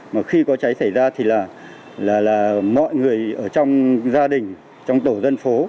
mà khi có cháy xảy ra thì là mọi người ở trong gia đình trong tổ dân phố